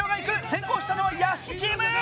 先行したのは屋敷チーム！